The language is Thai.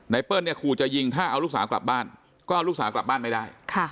เปิ้ลเนี่ยขู่จะยิงถ้าเอาลูกสาวกลับบ้านก็เอาลูกสาวกลับบ้านไม่ได้